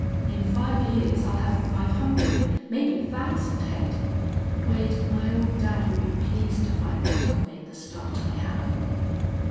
In five years I'll have five hundred, maybe a thousand head. Wade, my old dad will be pleased to find out I've made the start I have."